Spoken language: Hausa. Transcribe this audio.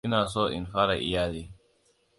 Ina so in fara iyali.